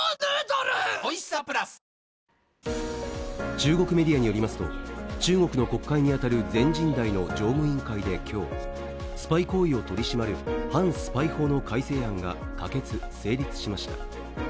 中国メディアによりますと、中国の国会に当たる全人代の常務委員会で今日、スパイ行為を取り締まる反スパイ法の改正案が可決・成立しました。